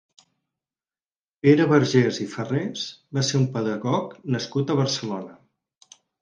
Pere Vergés i Farrés va ser un pedagog nascut a Barcelona.